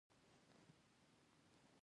مېز د ښو کارونو لپاره الهام ورکوي.